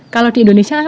kalau di indonesia